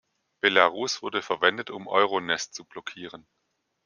Belarus wurde verwendet, um Euronest zu blockieren.